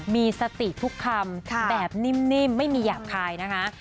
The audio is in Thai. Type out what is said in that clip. มีสติทุกคำแบบนิ่มไม่มีหยาบคายนะคะ